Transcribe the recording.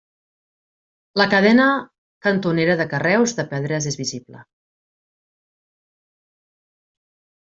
La cadena cantonera de carreus de pedres és visible.